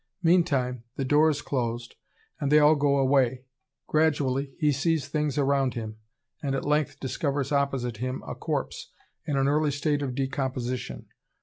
Meantime the door is closed, and they all go away. Gradually he sees things around him, and at length discovers opposite him a corpse, in an early state of decomposition.